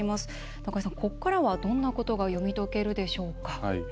中井さん、ここからはどんなことが読み解けるでしょうか？